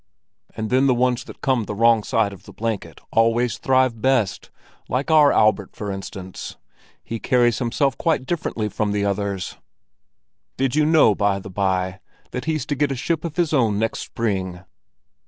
And then the ones that come the wrong side of the blanket always thrive best—like our Albert, for instance. He carries himself quite differently from the others. Did you know, by the by, that he's to get a ship of his own next spring?"